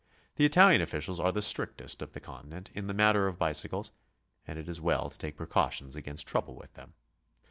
The Italian officials are the strictest on the Continent in the matter of bicycles, and it is well to take precautions against trouble with them.